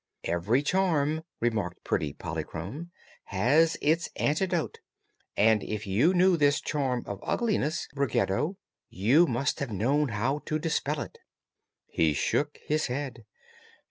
"Every charm," remarked pretty Polychrome, "has its antidote; and, if you knew this charm of ugliness, Ruggedo, you must have known how to dispel it." He shook his head.